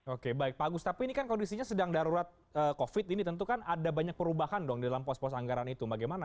oke baik pak agus tapi ini kan kondisinya sedang darurat covid ini tentu kan ada banyak perubahan dong di dalam pos pos anggaran itu bagaimana